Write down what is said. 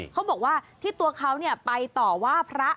เขาบอกว่าที่ตัวเขาไปต่อว่าพระ